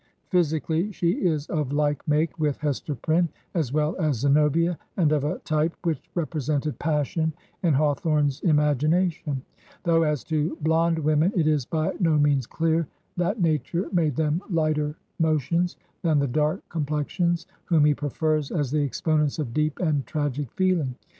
Physically, she is of like make with Hester Pryxine, as well as Zenobia, and of a type which represented passion in Hawthorne's imagination ; though as to blond women it is by no means clear that " nature made them lighter motions" than the dark com plexions, whom he prefers as the exponents of deep and tragic feeling.